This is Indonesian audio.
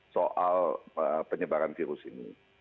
soal penyebaran virus ini